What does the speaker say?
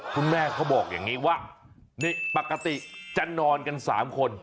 คุณแม่เขาบอกอย่างนี้ว่าปกติจะนอนกันสามคน